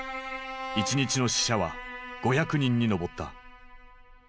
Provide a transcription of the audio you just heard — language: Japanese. １日の死者は５００人に上った。